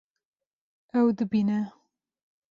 Ew dibîne